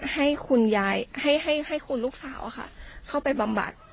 ให้คุณยายให้คุณลูกสาวค่ะเข้าไปบำบัด